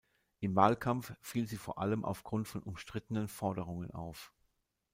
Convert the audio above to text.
Im Wahlkampf fiel sie vor allem auf Grund von umstrittenen Forderungen auf.